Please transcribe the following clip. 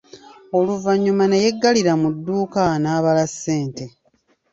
Oluvannyuma ne yeggalira mu dduuka n'abala ssente.